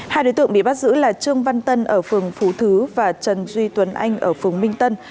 hai đối tượng bị bắt giữ là trương văn tân ở phường phú thứ và trần duy tuấn anh ở phường minh tân